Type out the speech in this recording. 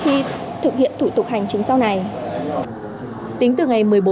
khi thực hiện thủ tục hành trình xã hội tiến hành cấp mã định danh điện tử